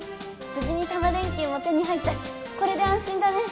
ぶじにタマ電Ｑも手に入ったしこれであん心だね！